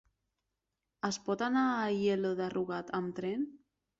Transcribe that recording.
Es pot anar a Aielo de Rugat amb tren?